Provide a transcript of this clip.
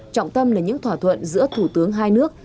trọng tâm là những thỏa thuận giữa thủ tướng hai nước